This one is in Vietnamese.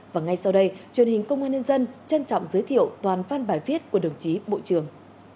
và ngay sau đây truyền hình công an nhân dân trân trọng giới thiệu toàn văn bài viết của đồng chí bộ trưởng